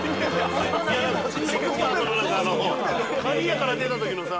蟹屋から出た時のさ。